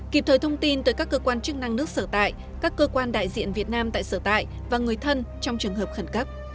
kịp thời thông tin tới các cơ quan chức năng nước sở tại các cơ quan đại diện việt nam tại sở tại và người thân trong trường hợp khẩn cấp